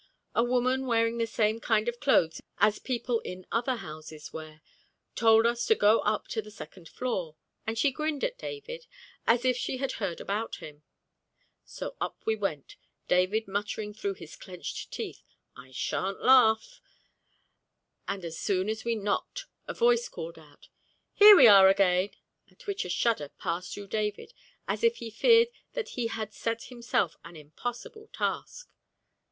A woman wearing the same kind of clothes as people in other houses wear, told us to go up to the second floor, and she grinned at David, as if she had heard about him; so up we went, David muttering through his clenched teeth, "I sha'n't laugh," and as soon as we knocked a voice called out, "Here we are again!" at which a shudder passed through David as if he feared that he had set himself an impossible task.